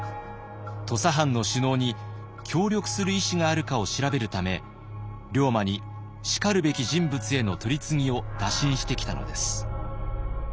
土佐藩の首脳に協力する意思があるかを調べるため龍馬にしかるべき人物への取り次ぎを打診してきたのです。